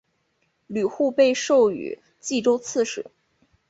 吕护被授予冀州刺史。